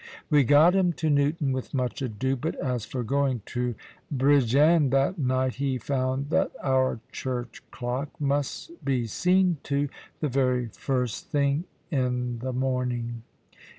We got him to Newton with much ado; but as for going to Bridgend that night, he found that our church clock must be seen to, the very first thing in the morning.